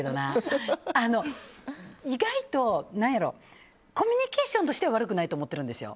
意外とコミュニケーションとしては悪くないと思ってるんですよ。